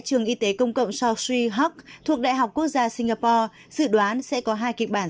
trường y tế công cộng south street huck thuộc đại học quốc gia singapore dự đoán sẽ có hai kịch bản